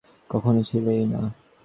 তোমার অবস্থা এমন হবে, যেনো কখনও ছিলেই না।